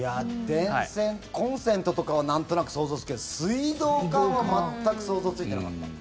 電線、コンセントとかはなんとなく想像つくけど水道管は全く想像ついてなかった。